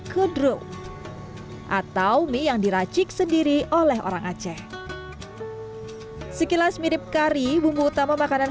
kedru atau mie yang diracik sendiri oleh orang aceh sekilas mirip kari bumbu utama makanan